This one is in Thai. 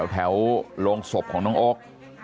โรงศพของน้องโอ๊ค